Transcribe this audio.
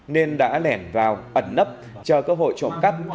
nên đã lẻn vào ẩn nấp chờ cơ hội trộm cắt